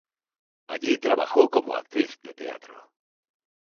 Allí trabajó como actriz de teatro.